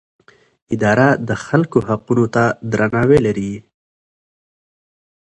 اداره د خلکو حقونو ته درناوی لري.